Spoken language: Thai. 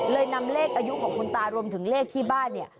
นำเลขอายุของคุณตารวมถึงเลขที่บ้านเนี่ย